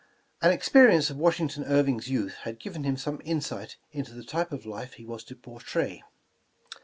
• An experience of Washington Irving 's youth had given him some insight into the type of life he was to portray.